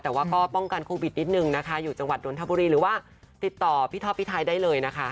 แต่ว่าก็ป้องกันโควิดนิดนึงนะคะอยู่จังหวัดนทบุรีหรือว่าติดต่อพี่ท็อปพี่ไทยได้เลยนะคะ